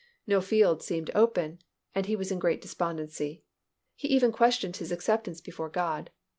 No field seemed to open, and he was in great despondency. He even questioned his acceptance before God.